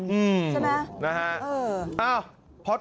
ใช่ไหมนะฮะเอออ้าว